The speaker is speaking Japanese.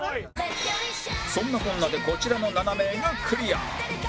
そんなこんなでこちらの７名がクリア